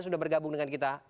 sudah bergabung dengan kita